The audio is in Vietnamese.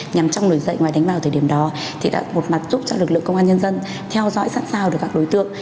nhằm trong nổi dậy và đánh vào thời điểm đó một mặt giúp cho lực lượng công an nhân dân theo dõi sẵn sào được các đối tượng